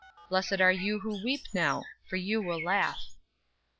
Blessed are you who weep now, for you will laugh.